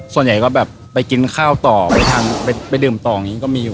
ส่วนใหญ่ก็แบบไปกินข้าวต่อไปดื่มต่ออย่างนี้ก็มีอยู่